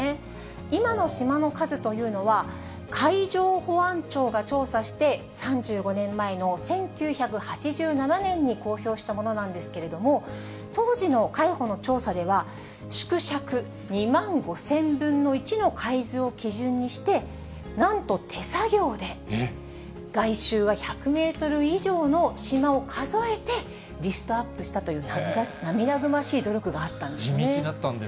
今の島の数というのは、海上保安庁が調査して、３５年前の１９８７年に公表したものなんですけれども、当時の海保の調査では、縮尺２万５０００分の１の海図を基準にして、なんと手作業で、外周が１００メートル以上の島を数えて、リストアップしたという地道だったんですね。